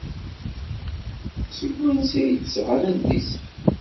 Seg wansi ay d-sɣan adlis-a?